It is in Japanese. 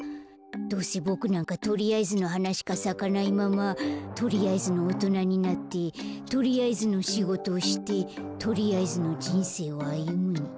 どうせボクなんかとりあえずのはなしかさかないままとりあえずのおとなになってとりあえずのしごとをしてとりあえずのじんせいをあゆむんだ。